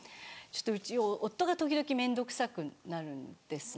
うち夫が時々面倒くさくなるんですね。